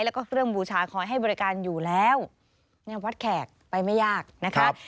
แล้วก็เครื่องบูชาคอยให้บริการอยู่แล้วเนี่ยวัดแขกไปไม่ยากนะคะ